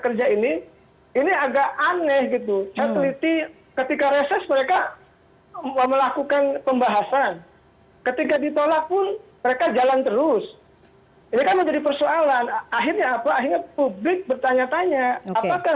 selain itu presiden judicial review ke mahkamah konstitusi juga masih menjadi pilihan pp muhammadiyah